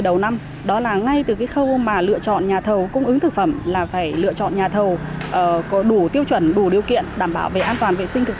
được thực hiện